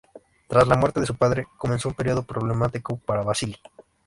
Tras la muerte de su padre, comenzó un período problemático para Vasili.